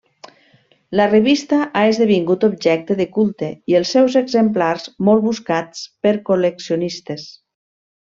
La revista ha esdevingut objecte de culte i els seus exemplars molt buscats per col·leccionistes.